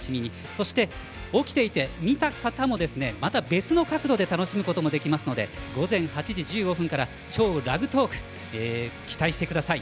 そして、起きていて見た方もまた別の角度で楽しむこともできますので午前８時１５分から「＃超ラグトーク」を期待してください。